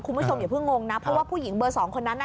คุณผู้ชมอย่าเพิ่งงงนะเพราะว่าผู้หญิงเบอร์สองคนนั้นน่ะ